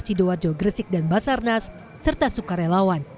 sidoarjo gresik dan basarnas serta sukarelawan